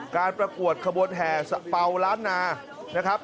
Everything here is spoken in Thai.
ประกวดขบวนแห่สะเป่าล้านนานะครับ